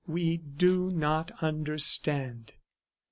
"We do not understand."